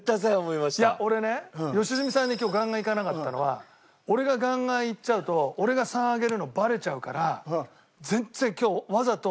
いや俺ね良純さんに今日ガンガンいかなかったのは俺がガンガンいっちゃうと俺が３上げるのバレちゃうから全然今日わざと。